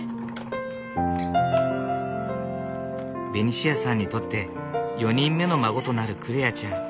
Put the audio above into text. ベニシアさんにとって４人目の孫となる來愛ちゃん。